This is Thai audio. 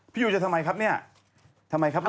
พี่ยูจะทำไมครับเนี่ยทำไมครับลูก